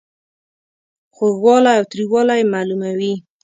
خوږوالی او تریووالی یې معلوموي.